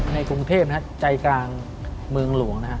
ในกรุงเทพฯใจกลางเมืองหลวง